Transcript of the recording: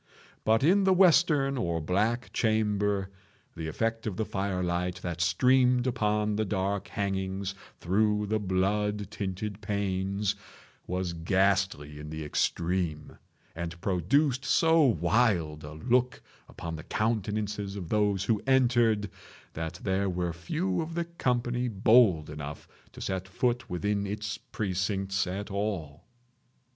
But in the western or black chamber the effect of the fire light that streamed upon the dark hangings through the blood tinted panes, was ghastly in the extreme, and produced so wild a look upon the countenances of those who entered, that there were few of the company bold enough to set foot within its precincts at all.